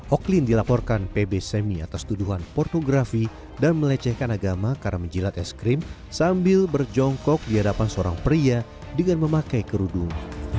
oklin dilaporkan pb semi atas tuduhan pornografi dan melecehkan agama karena menjilat es krim sambil berjongkok di hadapan seorang pria dengan memakai kerudung